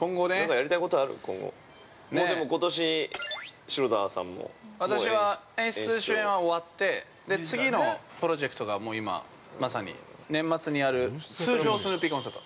でも、ことし、城田さんももう◆私は演出・主演は終わって次のプロジェクトが、もう今まさに年末にやる通称スヌーピーコンサート。